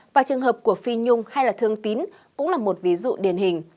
và trường hợp của phi nhung hay là thương tín cũng là một ví dụ điển hình